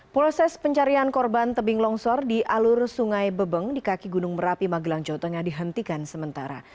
proses pencarian korban tebing longsor di alur sungai bebeng di kaki gunung merapi magelang jawa tengah dihentikan sementara